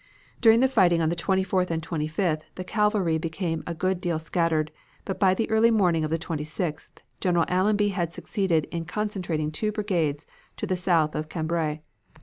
"During the fighting on the 24th and 25th the cavalry became a good deal scattered, but by the early morning of the 26th, General Allenby had succeeded in concentrating two brigades to the south of Cambrai.